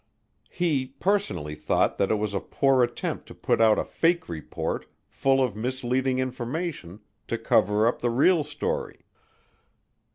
He, personally, thought that it was a poor attempt to put out a "fake" report, full of misleading information, to cover up the real story.